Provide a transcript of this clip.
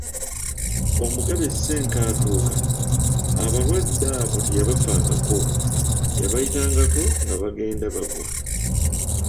Omugabe Ssenkaatuuka, abalwadde abo teyabafaangako, yabayitangako nga bagenda bagwa.